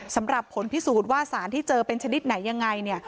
สำหรับผลพิสูจน์ว่าสารที่เจอเป็นชนิดไหนยังไงเนี่ย